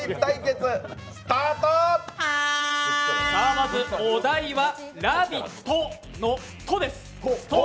まずお題は「ラヴィット！」の「と」です。